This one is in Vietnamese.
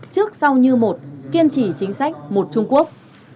trước sau như một kiên trì chính sách một trung quốc